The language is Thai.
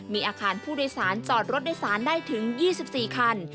มีอาคารผู้โดยสารจอดรถโดยสารได้ถึง๒๔คัน